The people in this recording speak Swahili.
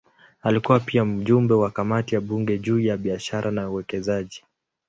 Alikuwa pia mjumbe wa kamati ya bunge juu ya biashara na uwekezaji.